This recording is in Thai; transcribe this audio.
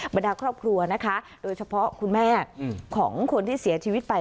บรรดาครอบครัวนะคะโดยเฉพาะคุณแม่ของคนที่เสียชีวิตไป